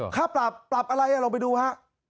ค่าปรับอะไรอ่ะลองไปดูฮะ